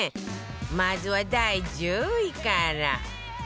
まずは第１０位から